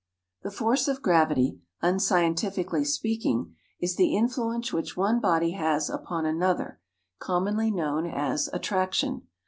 = The force of gravity, unscientifically speaking, is the influence which one body has upon another, commonly known as attraction.